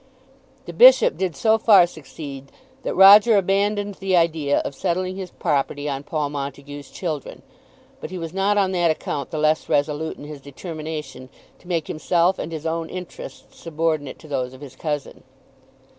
The Bishop did so far succeed that Roger abandoned the idea of settling his property on Paul Montague's children. But he was not on that account the less resolute in his determination to make himself and his own interests subordinate to those of his cousin.